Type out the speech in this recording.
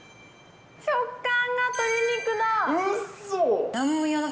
食感が鶏肉だ。